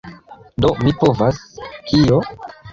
Do mi povas... kio?